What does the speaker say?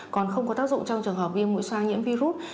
còn không có tác dụng trong trường hợp viêm mũi soa nhiễm virus